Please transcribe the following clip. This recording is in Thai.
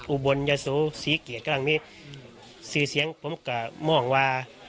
อุบลญาซุสิเกียจกำลังมีชื่อเสียงผมก็มองว่า